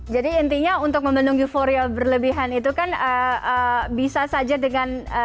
jadi intinya untuk memenuhi euforia berlebihan itu kan bisa saja dengan